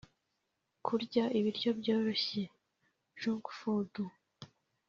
Kurya ibiryo byoroshye (junk food)